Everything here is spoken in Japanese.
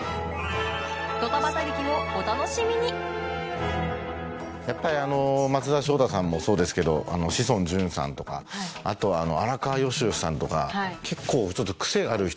ドタバタ劇をお楽しみにやっぱり松田翔太さんもそうですけど志尊淳さんとかあとは荒川良々さんとか結構クセある人。